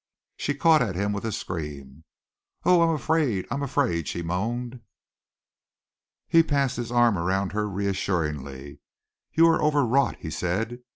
She caught at him with a scream. "Oh! I am afraid, I am afraid!" she moaned. He passed his arm around her reassuringly. "You are overwrought," he said.